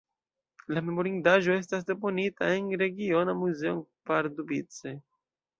La memorindaĵo estas deponita en regiona muzeo en Pardubice.